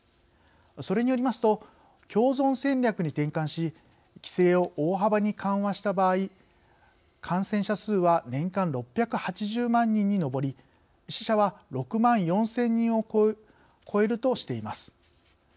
それによりますと共存戦略に転換し規制を大幅に緩和した場合感染者数は年間６８０万人に上り死者は６万４０００人を超えるとしています。